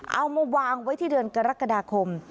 เอามาวางไว้ที่เดือนกรกฎาคม